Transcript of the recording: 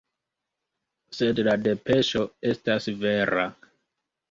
Sed la depeŝo estas vera.